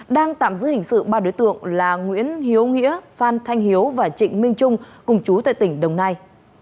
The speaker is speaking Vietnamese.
đang tạm giữ hình sự ba đối tượng là nguyễn hiếu nghĩa phan thanh hiếu và trịnh minh trung cùng chú tại tỉnh đồng nai